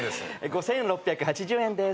５，６８０円です。